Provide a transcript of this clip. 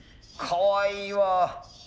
かわいいわ。